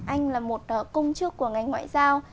anh là một công chức của ngành ngoại giao